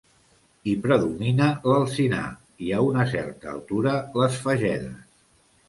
Hi predomina l'alzinar i, a una certa altura, les fagedes.